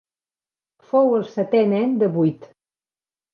Fou el setè nen de vuit.